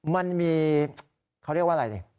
มันมีเขาเรียกว่าอะไรดิ